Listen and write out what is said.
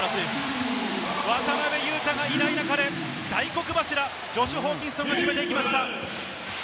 渡邊雄太がいない中で大黒柱のジョシュ・ホーキンソンが決めていきました。